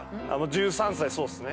１３歳そうですね。